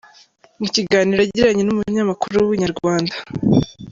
Mu kiganiro yagiranye n'umunyamakuru wa Inyarwanda.